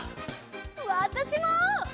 わたしも！